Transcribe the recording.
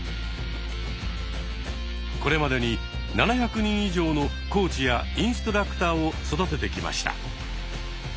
これまでに７００人以上のコーチやインストラクターを育ててきました。